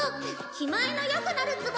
気前の良くなるツボ！